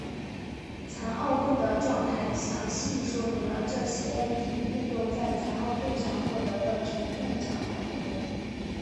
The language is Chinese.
残奥会的状态详细说明了这些体育运动在残奥会上获得的全面奖牌活动。